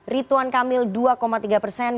rituan kamil dua tiga persen